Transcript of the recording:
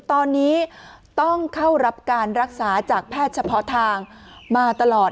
ตอนนี้ต้องเข้ารับการรักษาจากแพทย์เฉพาะทางมาตลอด